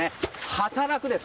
働くです。